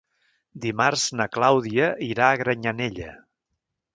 Dimarts na Clàudia irà a Granyanella.